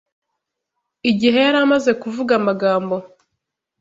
Igihe yari amaze kuvuga amagambo